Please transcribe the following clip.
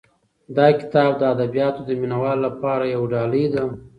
دا کتاب د ادبیاتو د مینه والو لپاره یو ډالۍ ده.